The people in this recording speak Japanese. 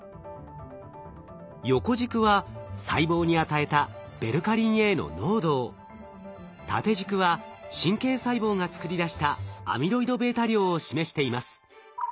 横軸は細胞に与えたベルカリンＡの濃度を縦軸は神経細胞が作り出したアミロイドβ量を示しています。